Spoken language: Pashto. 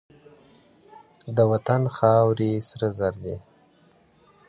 د وطن خاورې سرو زرو دي.